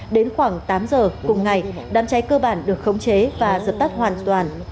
đến khoảng tám giờ cùng ngày đám cháy cơ bản được khống chế và dập tắt hoàn toàn